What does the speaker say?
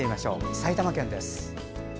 埼玉県です。